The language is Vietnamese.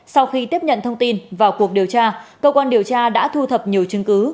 sau khi tiếp nhận thông tin vào cuộc điều tra cơ quan điều tra đã thu thập nhiều chứng cứ